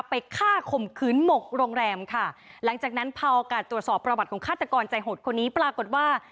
ไปฆ่าข่มขืนหมกโรงแรมค่ะหลังจากนั้นพอโอกาสตรวจสอบประวัติของฆาตกรใจหดคนนี้ปรากฏว่า